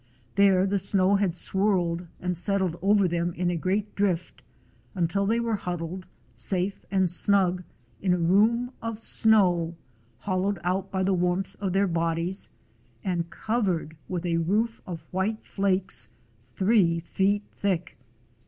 There the snow had swirled and settled over them in a great drift, until they were huddled, safe and snug, in a room of snow, hollowed out by the warmth of their bodies, and covered with a roof of white flakes, three feet thick.